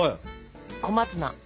小松菜。